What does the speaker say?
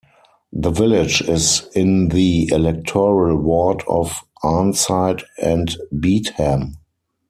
The village is in the electoral ward of Arnside and Beetham.